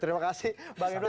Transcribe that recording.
terima kasih bang ifda